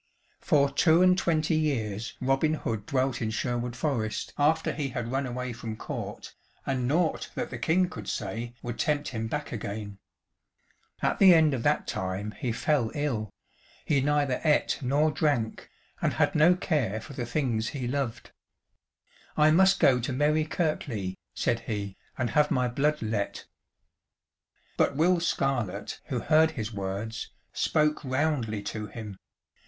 For two and twenty years Robin Hood dwelt in Sherwood forest after he had run away from court, and naught that the King could say would tempt him back again. At the end of that time he fell ill; he neither ate nor drank, and had no care for the things he loved. "I must go to merry Kirkley," said he, "and have my blood let." But Will Scarlett, who heard his words, spoke roundly to him.